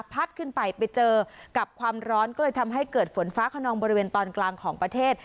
ขึ้นไปไปเจอกับความร้อนก็เลยทำให้เกิดฝนฟ้าขนองบริเวณตอนกลางของประเทศ